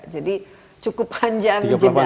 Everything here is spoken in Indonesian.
jadi cukup panjang juga